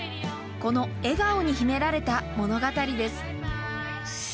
この笑顔に秘められた物語です。